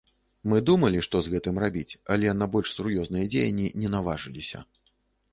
Мы думалі, што з гэтым рабіць, але на больш сур'ёзныя дзеянні не наважыліся.